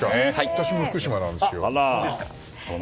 私も福島なんですよ。